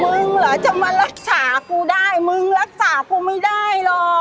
เหรอจะมารักษากูได้มึงรักษากูไม่ได้หรอก